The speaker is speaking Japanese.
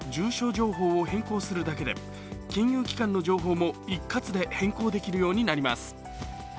情報を変更するだけで金融機関の情報も一括で変更できるようになります。